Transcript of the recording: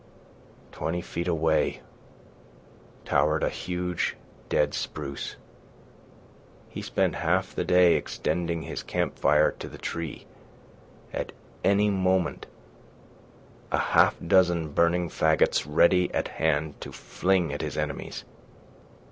Twenty feet away towered a huge dead spruce. He spent half the day extending his campfire to the tree, at any moment a half dozen burning faggots ready at hand to fling at his enemies.